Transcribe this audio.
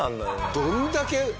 どんだけ。